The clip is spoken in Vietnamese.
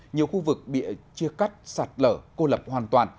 nhiều khu vực bị chia cắt sạt lở cô lập hoàn toàn